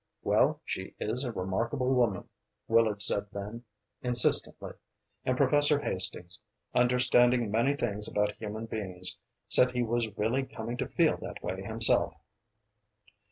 "Well, she is a remarkable woman," Willard said then, insistently. And Professor Hastings understanding many things about human beings said he was really coming to feel that way himself.